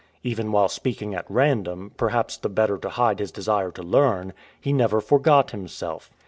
Even while speaking at random, perhaps the better to hide his desire to learn, he never forgot himself.